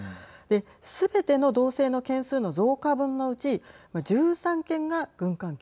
すべての動静の件数の増加分のうち１３件が軍関係。